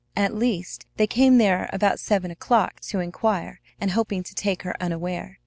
At least, they came there about seven o'clock to inquire and hoping to take her unaware.